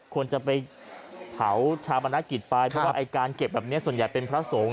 ควรจะไปเผาชาปนกิจไปเพราะว่าไอ้การเก็บแบบนี้ส่วนใหญ่เป็นพระสงฆ์